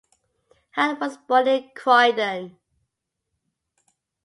Hudd was born in Croydon.